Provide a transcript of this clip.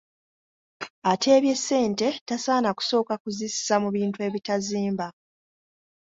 Ateebye ssente tasaana kusooka kuzissa mu bintu ebitazimba.